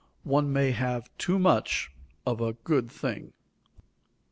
One may have too much of a good thing.